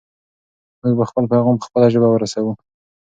موږ به خپل پیغام په خپله ژبه رسوو.